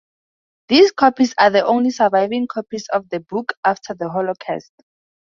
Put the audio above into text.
These copies are the only surviving copies of the book after the Holocaust.